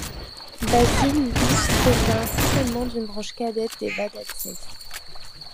Basile, lui, provient certainement d’une branche cadette des Vatatzès.